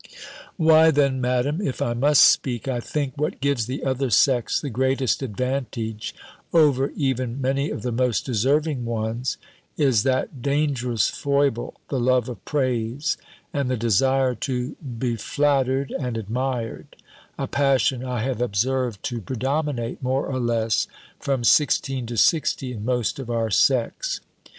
"Why then, Madam, if I must speak, I think, what gives the other sex the greatest advantage over even many of the most deserving ones, is that dangerous foible, the love of praise, and the desire to be flattered and admired, a passion I have observed to predominate, more or less, from sixteen to sixty, in most of our sex.